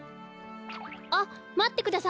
あっまってください